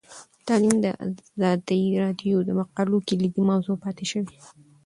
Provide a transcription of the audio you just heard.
تعلیم د ازادي راډیو د مقالو کلیدي موضوع پاتې شوی.